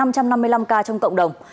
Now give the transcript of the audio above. năm trăm năm mươi năm ca trong cộng đồng